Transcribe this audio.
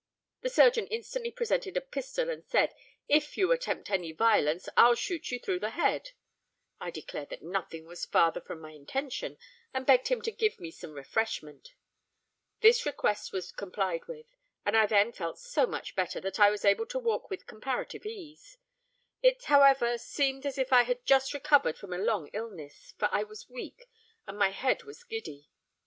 The surgeon instantly presented a pistol, and said, 'If you attempt any violence, I'll shoot you through the head.' I declared that nothing was farther from my intention, and begged him to give me some refreshment. This request was complied with; and I then felt so much better, that I was able to walk with comparative ease. It, however, seemed as if I had just recovered from a long illness: for I was weak, and my head was giddy.